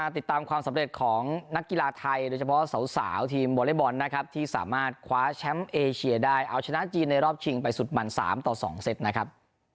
ติดตามความสำเร็จของนักกีฬาไทยโดยเฉพาะสาวทีมวอเล็กบอลนะครับที่สามารถคว้าแชมป์เอเชียได้เอาชนะจีนในรอบชิงไปสุดมัน๓ต่อ๒เซตนะครับ